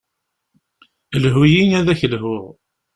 Lhu-yi ad ak-lhuɣ.